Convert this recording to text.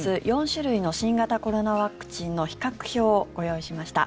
４種類の新型コロナワクチンの比較表をご用意しました。